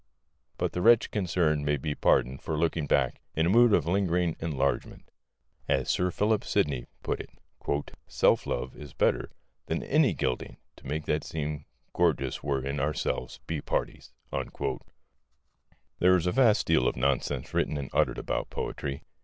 But the wretch concerned may be pardoned for looking back in a mood of lingering enlargement. As Sir Philip Sidney put it, "Self love is better than any gilding to make that seem gorgeous wherein ourselves be parties." There is a vast deal of nonsense written and uttered about poetry.